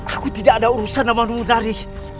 aku tidak ada urusan sama ludari